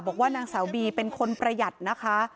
บอกว่านางสาวบีเป็นคนประหยัดนะคะ